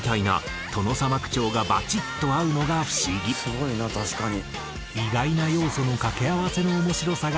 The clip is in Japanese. すごいな確かに。